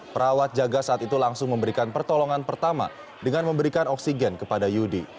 perawat jaga saat itu langsung memberikan pertolongan pertama dengan memberikan oksigen kepada yudi